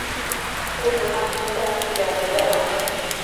故事发生在不远的未来。